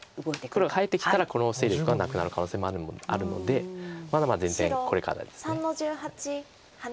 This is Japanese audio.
黒が入ってきたらこの勢力はなくなる可能性もあるのでまだまだ全然これからです。